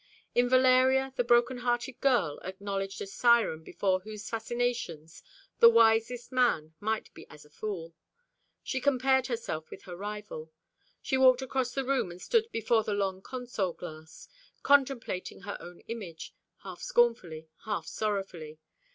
In Valeria the broken hearted girl acknowledged a siren before whose fascinations the wisest man might be as a fool. She compared herself with her rival. She walked across the room and stood before the long console glass, contemplating her own image, half scornfully, half sorrowfully.